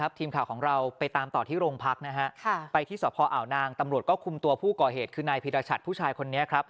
บอกว่าไม่บ้างค่ะเดี๋ยวก็เอาลงมาให้